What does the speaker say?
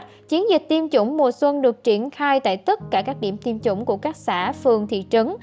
theo kế hoạch chiến dịch tiêm chủng mùa xuân được triển khai tại tất cả các điểm tiêm chủng của các xã phường thị trấn